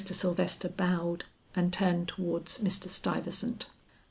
Sylvester bowed and turned towards Mr. Stuyvesant.